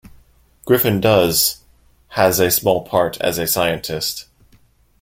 Griffin does has a small part as a scientist.